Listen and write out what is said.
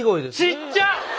ちっちゃ！